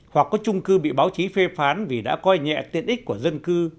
hoặc có trung cư bị báo chí phê phán vì đã coi nhẹ tiện ích của dân cư